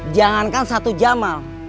jangankan satu jamal